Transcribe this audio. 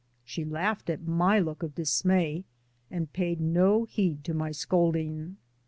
She laughed at my look of dis may and paid no heed to my scolding.